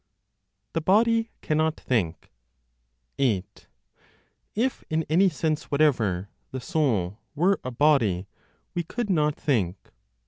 THE BODY CANNOT THINK. 8. If, in any sense whatever, the soul were a body, we could not think.